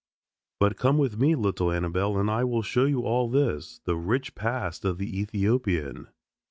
"But come with me, little Annabelle, I will show you all this, the rich past of the Ethiopian."